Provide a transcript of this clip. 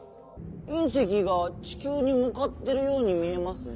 いん石がちきゅうにむかってるように見えますね。